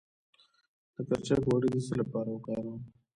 د کرچک غوړي د څه لپاره وکاروم؟